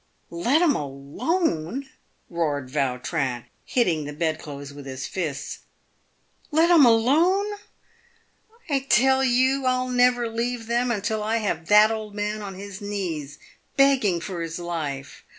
" Let 'em alone!" roared Vautrin, hitting the bedclothes with his fists. " Let 'em alone ! I tell you, I'll never leave them until I have that old man on his knees, begging for his life.